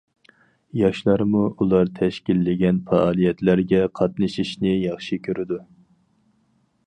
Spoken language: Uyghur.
ياشلارمۇ ئۇلار تەشكىللىگەن پائالىيەتلەرگە قاتنىشىشنى ياخشى كۆرىدۇ.